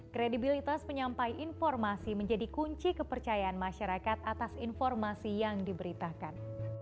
kredibilitas penyampai informasi menjadi kunci kepercayaan masyarakat atas informasi yang diberitakan